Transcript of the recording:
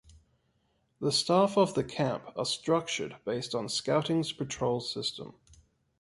The staff of the camp are structured based on Scouting's patrol system.